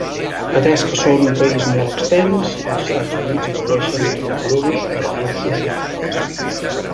Atès que són un país molt extens, els Estats Units gaudeixen de nombrosos recursos naturals.